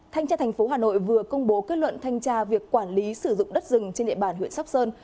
thanh tra thành phố hà nội vừa công bố kết luận thanh tra việc quản lý sử dụng đất rừng trên địa bàn huyện sóc sơn